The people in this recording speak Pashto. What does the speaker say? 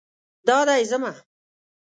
دا دی ځمه